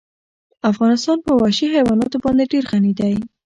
افغانستان په وحشي حیواناتو باندې ډېر غني دی.